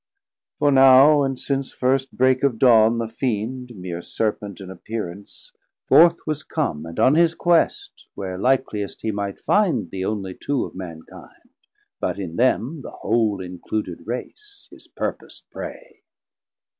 For now, and since first break of dawne the Fiend, Meer Serpent in appearance, forth was come, And on his Quest, where likeliest he might finde The onely two of Mankinde, but in them The whole included Race, his purposd prey.